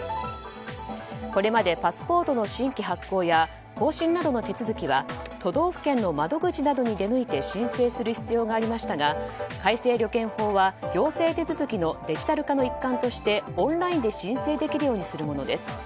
これまでパスポートの新規発行や更新などの手続きは都道府県の窓口などに出向いて申請する必要がありましたが改正旅券法は行政手続きのデジタル化の一環としてオンラインで申請できるようにするものです。